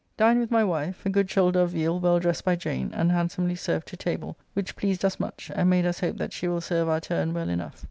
] Dined with my wife, a good shoulder of veal well dressed by Jane, and handsomely served to table, which pleased us much, and made us hope that she will serve our turn well enough.